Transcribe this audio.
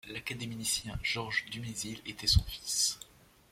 L'académicien Georges Dumézil était son fils.